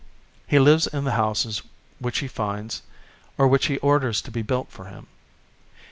He lives in the houses which he finds, or which he orders to be built for him.